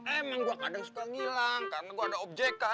emang gua kadang suka ngilang karena gua ada objekan